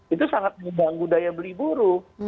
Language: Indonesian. itu sangat mengganggu daya beli buruh